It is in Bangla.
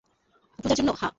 পুজার জন্য, - হ্যাঁঁ।